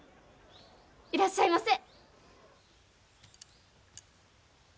いらっしゃいませ！